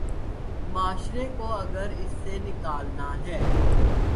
معاشرے کو اگر اس سے نکالنا ہے۔